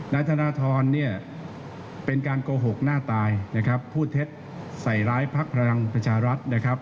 นัธรธรรณเนี่ยเป็นการโกหกหน้าตายภูเท็จใส่ร้ายภักรภ์พลังประชารัฐ